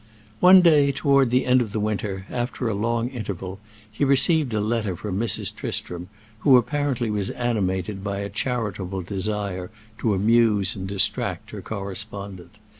One day, toward the end of the winter, after a long interval, he received a letter from Mrs. Tristram, who apparently was animated by a charitable desire to amuse and distract her correspondent.